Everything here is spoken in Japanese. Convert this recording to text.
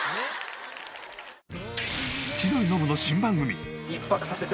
千鳥ノブの新番組。